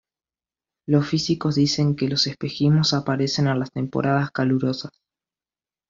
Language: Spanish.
Los físicos dicen que los espejismos aparecen en las temporadas calurosas.